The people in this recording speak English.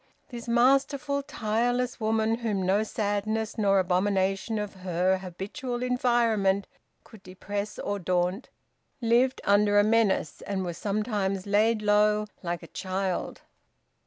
This masterful, tireless woman, whom no sadness nor abomination of her habitual environment could depress or daunt, lived under a menace, and was sometimes laid low, like a child.